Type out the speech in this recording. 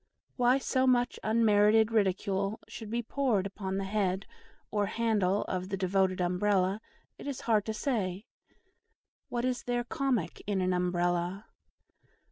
Why so much unmerited ridicule should be poured upon the head (or handle) of the devoted Umbrella, it is hard to say. What is there comic in an Umbrella?